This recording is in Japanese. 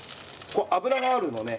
油があるのね